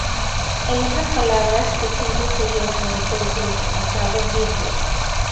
En otras palabras, que siempre se llevan el peso de su pasado Beatle.